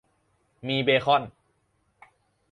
มีเบคอน